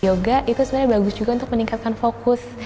yoga itu sebenarnya bagus juga untuk meningkatkan fokus